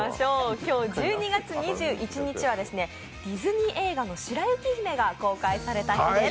今日１１月２１日はディズニー映画の「白雪姫」が公開された日です。